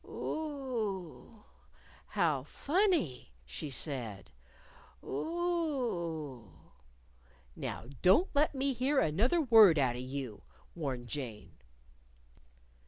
"Oo oo! How funny!" she said, "Oo oo!" "Now, don't let me hear another word out of you!" warned Jane.